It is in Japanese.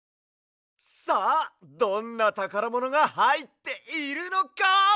さあどんなたからものがはいっているのか！？